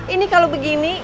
ini kalau begini